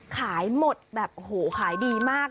ขายหมดแบบโอ้โหขายดีมาก